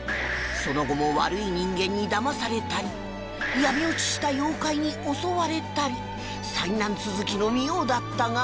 その後も悪い人間にだまされたり闇落ちした妖怪に襲われたり災難続きの澪だったが